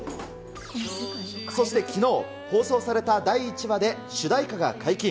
そしてきのう、放送された第１話で主題歌が解禁。